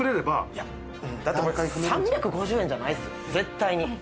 いや３５０円じゃないです絶対に。